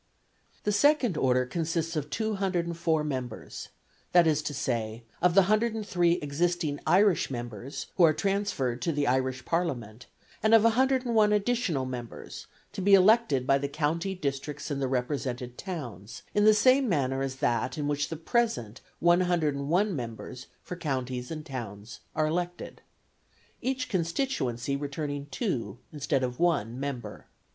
The second order consists of 204 members, that is to say, of the 103 existing Irish members (who are transferred to the Irish Parliament), and of 101 additional members to be elected by the county districts and the represented towns, in the same manner as that in which the present 101 members for counties and towns are elected each constituency returning two instead of one member.